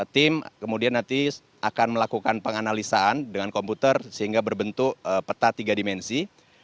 tim kemudian nanti akan melakukan penganalisaan dengan komputer sehingga berbentuk peta tiga dimensi